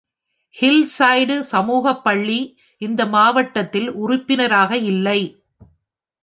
Hillside சமூக பள்ளி இந்த மாவட்டத்தில் உறுப்பினராக இல்லை.